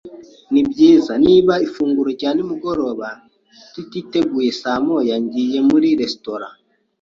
Nibyiza, niba ifunguro rya nimugoroba rititeguye saa moya, ngiye muri resitora.